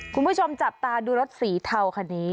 คุณผู้ชมจับตาดูรถสีเทาคันนี้